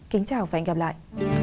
kính chào và hẹn gặp lại